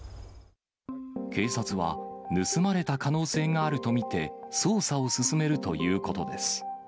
警察は、盗まれた可能性があると見て、捜査を進めるということです。